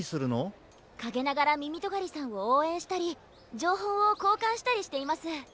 かげながらみみとがりさんをおうえんしたりじょうほうをこうかんしたりしています。